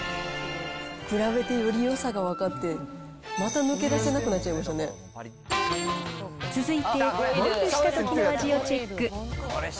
比べてよりよさが分かって、また抜け出せなくなっちゃいまし続いて、ボイルしたときの味をチェック。